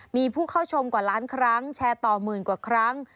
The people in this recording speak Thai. มีผู้เข้าชมกว่าล้านครั้งแชร์ต่อหมื่นกว่าครั้ง